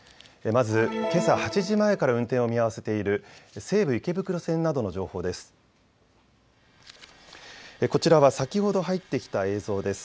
まず、けさ８時前から運転を見合わせている西武池袋線などの情報です。